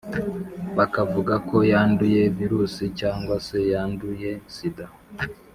bakavuga ko yanduye virusi cyangwa se yanduye sida.